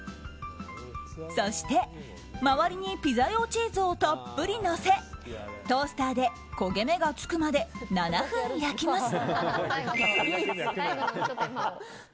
そして周りにピザ用チーズをたっぷりのせトースターで焦げ目がつくまで７分焼きます。